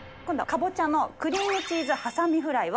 「かぼちゃのクリームチーズはさみフライ」？